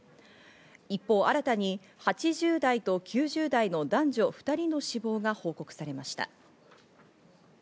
一方、新たに８０代と９０代の男女２人の死亡が報告されました。